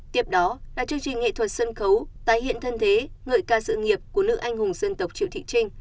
tiếp đó là chương trình nghệ thuật sân khấu tái hiện thân thế ngợi ca sự nghiệp của nữ anh hùng dân tộc triệu thị trinh